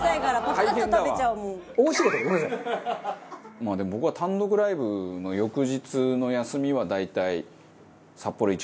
まあでも僕は単独ライブの翌日の休みは大体。